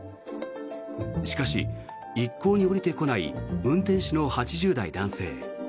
しかし、一向に降りてこない運転手の８０代男性。